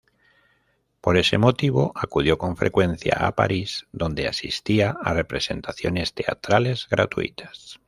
Por ese motivo acudió con frecuencia a París, donde asistía a representaciones teatrales gratuitas.